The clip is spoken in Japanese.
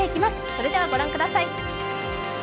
それでは御覧ください。